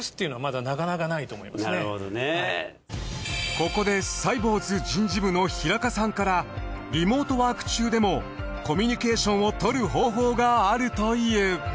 ここでサイボウズ人事部の平賀さんからリモートワーク中でもコミュニケーションをとる方法があるという。